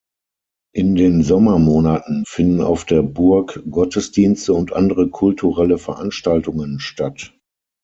In den Sommermonaten finden auf der Burg Gottesdienste und andere kulturelle Veranstaltungen statt.